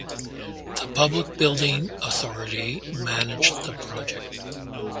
The Public Building Authority managed the project.